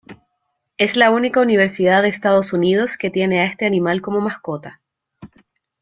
Es la única universidad de Estados Unidos que tiene a este animal como mascota.